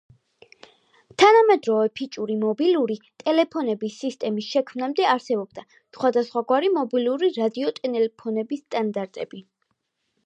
თანამედროვე ფიჭური მობილური ტელეფონების სისტემის შექმნამდე არსებობდა სხვადასხვაგვარი მობილური რადიო ტელეფონების სტანდარტები.